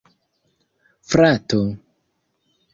frato